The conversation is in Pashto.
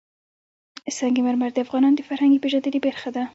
سنگ مرمر د افغانانو د فرهنګي پیژندنې برخه ده.